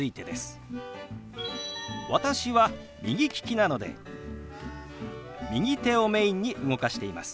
私は右利きなので右手をメインに動かしています。